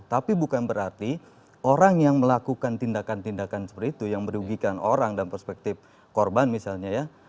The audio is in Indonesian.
tapi bukan berarti orang yang melakukan tindakan tindakan seperti itu yang merugikan orang dalam perspektif korban misalnya ya